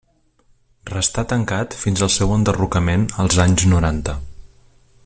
Restà tancat fins al seu enderrocament als anys noranta.